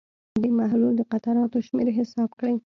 د محلول د قطراتو شمېر حساب کړئ.